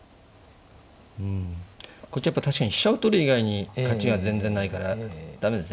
うんこっちやっぱ確かに飛車を取る以外に勝ちが全然ないから駄目ですね